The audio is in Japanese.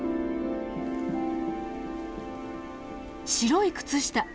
白い靴下。